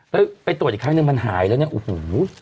แล้วไปตรวจอีกครั้งหนึ่งมันหายแล้วเนี่ยโอ้โห